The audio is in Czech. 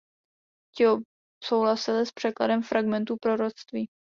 Ti souhlasili s překladem fragmentů proroctví.